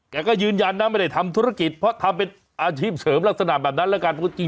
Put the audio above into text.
แกก็ยืนยันนะไม่ได้ทำธุรกิจเพราะทำเป็นอาชีพเสริมลักษณะแบบนั้นแล้วกันปกติ